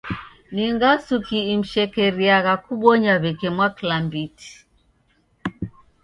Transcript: Ni ngasuki imshekeriagha kubonya w'eke mwaklambiti?